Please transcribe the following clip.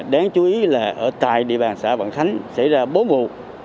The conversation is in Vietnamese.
đáng chú ý là ở tại địa bàn xã vạn khánh xảy ra bốn vụ